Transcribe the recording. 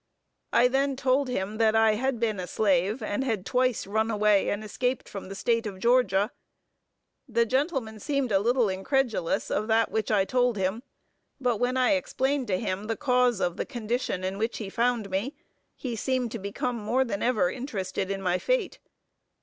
I then told him, that I had been a slave, and had twice run away and escaped from the State of Georgia. The gentleman seemed a little incredulous of that which I told him; but when I explained to him the cause of the condition in which he found me, he seemed to become more than ever interested in my fate.